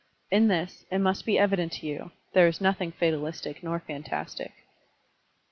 In this, it must be evident to you, there is nothing fatalistic nor fantastic.